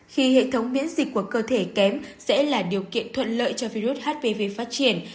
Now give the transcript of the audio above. khi hệ thống miễn dịch của cơ thể kém sẽ là điều kiện thuận lợi cho virus hpv phát triển